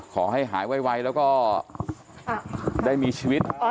ขอให้หายไวแล้วก็ได้มีชีวิต